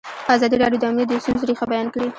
ازادي راډیو د امنیت د ستونزو رېښه بیان کړې.